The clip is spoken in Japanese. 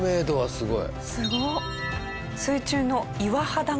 すごい。